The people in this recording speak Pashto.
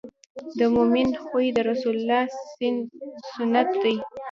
د مؤمن خوی د رسول الله سنت دی.